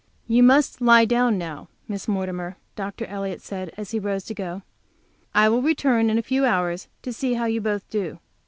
"You must lie down now, Miss Mortimer," Dr. Elliott said, as he rose to go. "I will return in a few hours to see how you both do."